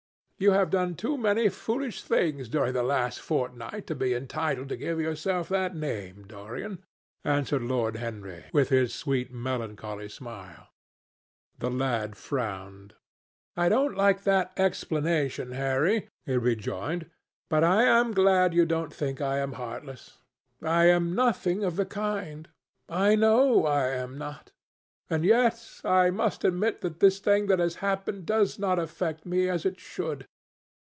"You have done too many foolish things during the last fortnight to be entitled to give yourself that name, Dorian," answered Lord Henry with his sweet melancholy smile. The lad frowned. "I don't like that explanation, Harry," he rejoined, "but I am glad you don't think I am heartless. I am nothing of the kind. I know I am not. And yet I must admit that this thing that has happened does not affect me as it should.